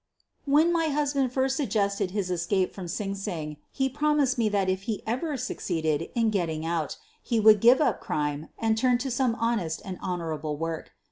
When my husband first suggested his escape from QUEEN OF THE BURGLARS 75 Sing Sing lie promised me that if he ever succeeded in getting out he would give up crime and turn to some honest and honorable work.